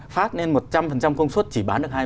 phát lên một trăm linh công suất chỉ bán được